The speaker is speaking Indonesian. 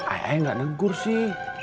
ayah nggak negur sih